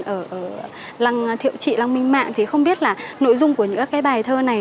ở lăng thiệu trị lăng minh mạng thì không biết là nội dung của những cái bài thơ này